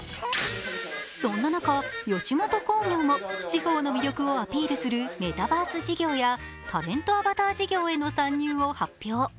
そんな中、吉本興業も地方の魅力をアピールするメタバース事業やタレントアバター事業への参入を発表。